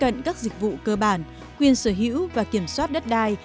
khả năng tiếp cận các dịch vụ cơ bản quyền sở hữu và kiểm soát đất đai